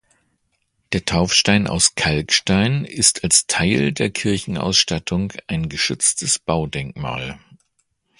Der Taufstein aus Kalkstein ist als Teil der Kirchenausstattung ein geschütztes Baudenkmal.